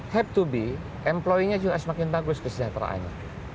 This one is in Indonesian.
have to be employee nya juga semakin bagus kesejahteraannya